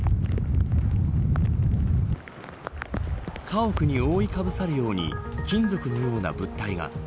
家屋に覆いかぶさるように金属のような物体が。